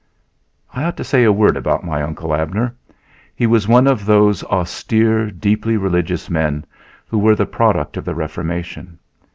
I ought to say a word about my Uncle Abner. He was one of those austere, deeply religious men who were the product of the Reformation.